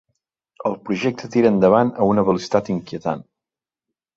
El projecte tira endavant a una velocitat inquietant.